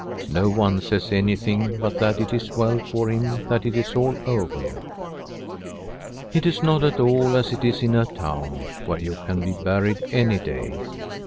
No one says anything but that it is well for him that it is all over. It is not at all as it is in a town, where you can be buried any day.